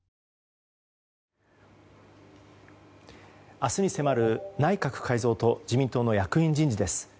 明日に迫る内閣改造と自民党の役員人事です。